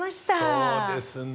そうですね。